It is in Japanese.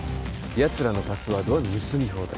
やつらのパスワードは盗み放題